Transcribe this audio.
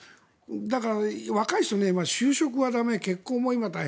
だから、若い人でいえば就職も駄目、結婚も大変。